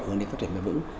hướng đến phát triển mềm vững